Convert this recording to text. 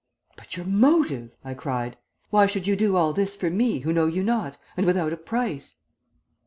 "'But your motive!' I cried. 'Why should you do all this for me who know you not, and without a price?'